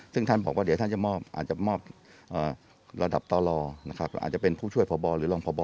ซึ่งท่านพบว่าเดี๋ยวจะงรมอาจจะมอบระดับต่อรออาจจะเป็นผู้ช่วยร่างพบ